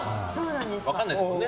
分かんないですもんね